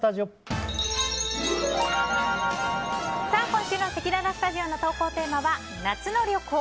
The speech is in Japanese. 今週のせきららスタジオの投稿テーマは夏の旅行！